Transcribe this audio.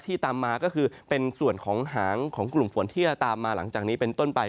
ตามมาก็คือเป็นส่วนของหางของกลุ่มฝนที่จะตามมาหลังจากนี้เป็นต้นไป